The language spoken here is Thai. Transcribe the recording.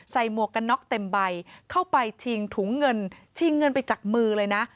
หมวกกันน็อกเต็มใบเข้าไปชิงถุงเงินชิงเงินไปจากมือเลยนะ